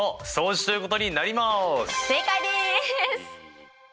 正解です。